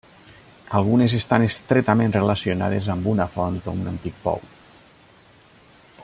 Algunes estan estretament relacionades amb una font o un antic pou.